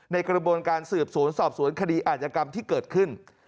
ในกระบวนการสืบสวนสอบสวนคดีอาจกรรมที่เกิดขึ้น